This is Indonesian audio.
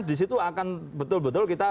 disitu akan betul betul kita